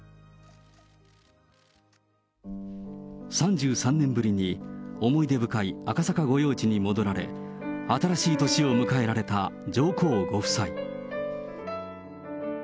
３３年ぶりに思い出深い赤坂御用地に戻られ、新しい年を迎えられた上皇ご夫妻。